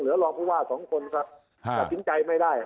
เหลือรองผู้ว่าสองคนแต่สินใจไม่ได้